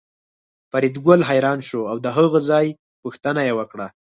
فریدګل حیران شو او د هغه د ځای پوښتنه یې وکړه